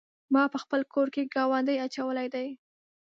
ما په خپل کور کې ګاونډی اچولی دی.